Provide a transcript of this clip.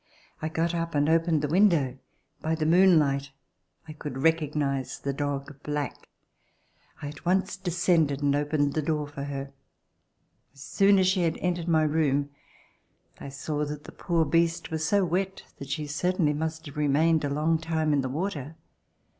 I got up and opened the window. By the moonlight I could recognize the dog "Black." I at once descended and opened the door for her. As soon as she had entered my room, I saw that the poor beast was so wet I ARRIVAL IN AMERICA that she certainly must have remained a long time in tlic water.